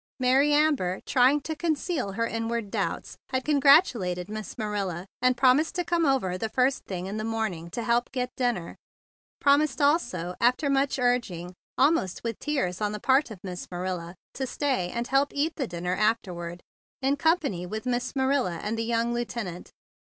Mary Amber, trying to conceal her inward doubts, had congratulated Miss 12 THE BIG BLUE SOLDIER Marilla and promised to come over the first thing in the morning to help get dinner. Promised also, after much urging, almost with tears on the part of Miss Marilla, to stay and help eat the dinner afterward in company with Miss Marilla and the young lieutenant.